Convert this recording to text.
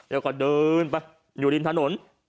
แล้วก็เดินไปอยู่ริมถนน